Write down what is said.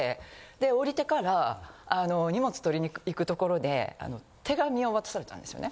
で降りてから荷物取りに行く所で手紙を渡されたんですよね。